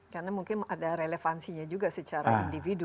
karena mungkin ada relevansinya juga secara individu